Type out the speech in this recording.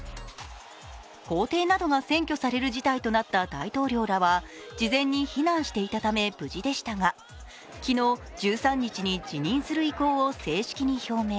公邸などが占拠される事態となった大統領らは事前に避難していたため無事でしたが、昨日、１３日に辞任する意向を正式に表明。